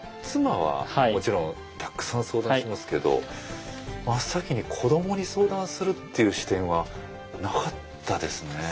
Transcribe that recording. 妻はもちろんたくさん相談してますけど真っ先に子どもに相談するっていう視点はなかったですね。